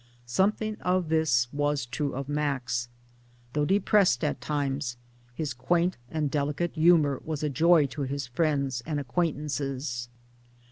Something of this was true of Max. Though depressed at times his quaint and delicate humour was a joy to his friends and acquaintances.